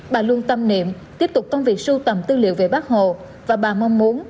bà luôn tâm niệm tiếp tục công việc sưu tầm tư liệu về bác hồ và bà mong muốn